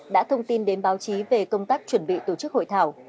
đã thông tin đến báo chí về công tác chuẩn bị tổ chức hội thảo